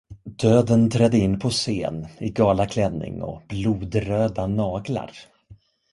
Döden trädde in på scen i galaklänning och blodröda naglar.